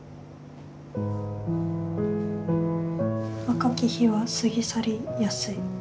「若き日は過ぎ去りやすい。